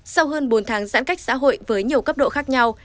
sau hơn bốn tháng giãn cách xã hội với nhiều cấp độ khác nhau